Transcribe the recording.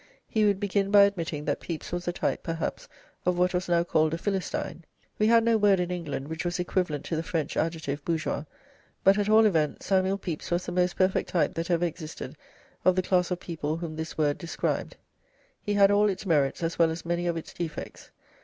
He would begin by admitting that Pepys was a type, perhaps, of what was now called a 'Philistine'. We had no word in England which was equivalent to the French adjective Bourgeois; but, at all events, Samuel Pepys was the most perfect type that ever existed of the class of people whom this word described. He had all its merits as well as many of its defects.